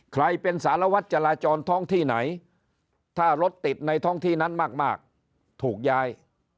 ใครเป็นสารวัตรจราจรท้องที่ไหนถ้ารถติดในท้องที่นั้นมากถูกย้าย